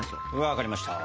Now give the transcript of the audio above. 分かりました。